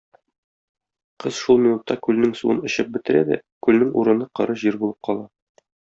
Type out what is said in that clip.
Кыз шул минутта күлнең суын эчеп бетерә дә күлнең урыны коры җир булып кала.